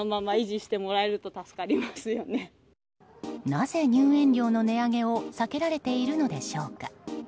なぜ入園料の値上げを避けられているのでしょうか。